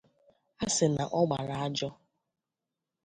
a sị na ọ gbara ajọ.